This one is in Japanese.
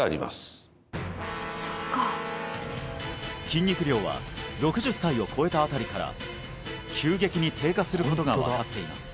筋肉量は６０歳をこえたあたりから急激に低下することが分かっています